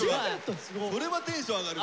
それはテンション上がるね。